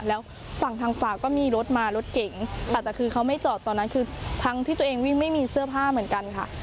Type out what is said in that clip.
แล้วฝั่งทางฝาก็มีรถมารถเก๋งแต่คือเขาไม่จอดตอนนั้นคือทั้งที่ตัวเองวิ่งไม่มีเสื้อผ้าเหมือนกันค่ะ